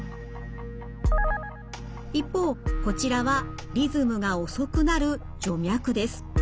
一方こちらはリズムが遅くなる徐脈です。